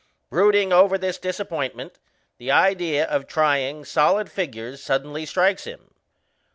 Brooding over this disappointment, the idea of trying solid figures suddenly strikes him.